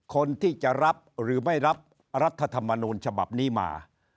คนที่จะรับหรือไม่รับรัฐธรรมนูญฉบับนี้มา